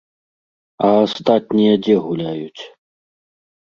А астатнія дзе гуляюць?